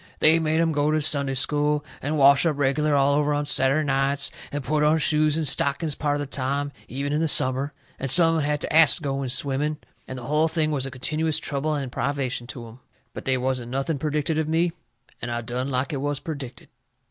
They made 'em go to Sunday School, and wash up reg'lar all over on Saturday nights, and put on shoes and stockings part of the time, even in the summer, and some of 'em had to ast to go in swimming, and the hull thing was a continuous trouble and privation to 'em. But they wasn't nothing perdicted of me, and I done like it was perdicted.